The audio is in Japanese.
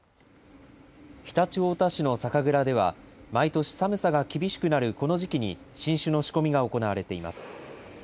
常陸太田市の酒蔵では毎年寒さが厳しくなるこの時期に、新酒の仕込みが行われています。